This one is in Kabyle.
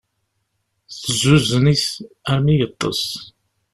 Tezzuzzen-it armi yeṭṭes.